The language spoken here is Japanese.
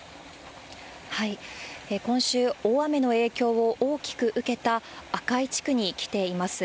今週、大雨の影響を大きく受けたあかい地区に来ています。